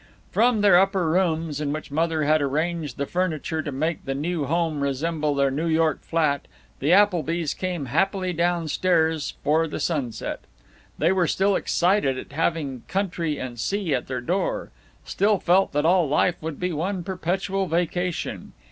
From their upper rooms, in which Mother had arranged the furniture to make the new home resemble their New York flat, the Applebys came happily down stairs for the sunset. They were still excited at having country and sea at their door; still felt that all life would be one perpetual vacation.